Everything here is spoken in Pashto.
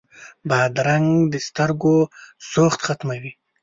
بادرنګ د سترګو سوخت ختموي.